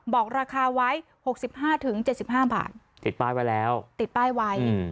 บอกราคาไว้หกสิบห้าถึงเจ็ดสิบห้าบาทติดป้ายไว้แล้วติดป้ายไว้อืม